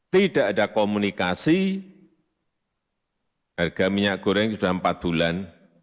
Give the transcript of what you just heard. tidak ada komunikasi harga minyak goreng sudah empat bulan